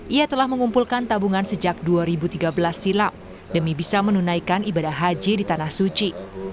ia telah mengumpulkan tabungan sejak dua ribu tiga belas silam demi bisa menunaikan ibadah haji di tanah suci